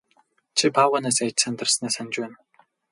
Чи баавгайгаас айж сандарснаа санаж байна уу?